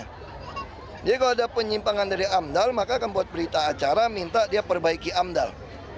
jadi kalau ada penyimpangan dari amdal maka akan buat berita acara minta dia perbaiki amdal